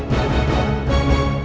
jangan sampai melihatnya